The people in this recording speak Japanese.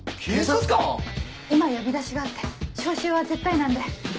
今呼び出しがあって招集は絶対なんで。